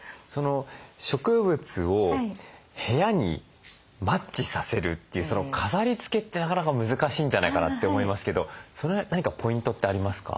植物を部屋にマッチさせるというその飾りつけってなかなか難しいんじゃないかなって思いますけどその辺何かポイントってありますか？